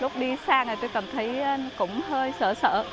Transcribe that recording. lúc đi sang thì tôi cảm thấy cũng hơi sợ sợ